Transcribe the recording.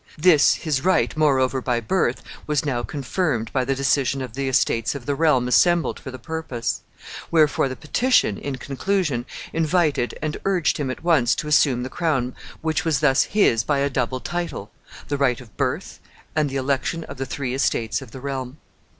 This his right moreover by birth was now confirmed by the decision of the estates of the realm assembled for the purpose; wherefore the petition, in conclusion, invited and urged him at once to assume the crown which was thus his by a double title the right of birth and the election of the three estates of the realm.